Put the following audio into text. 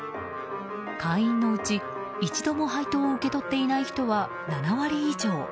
会員のうち、一度も配当を受け取っていない人は７割以上。